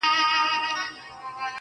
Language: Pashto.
له سجدې پورته سي، تاته په قيام سي ربه,